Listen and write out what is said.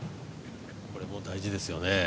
これも大事ですよね。